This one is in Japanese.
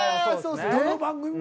どの番組も。